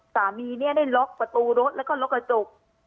สามีเนี่ยได้ล็อกประตูรถแล้วก็ล็อกกระจก